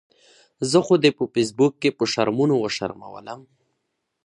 زه خو دې په فیسبوک کې په شرمونو وشرمؤلم